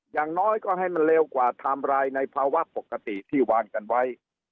อย่างน้อยก็ให้มันเร็วกว่าไทม์ไลน์ในภาวะปกติที่วางกันไว้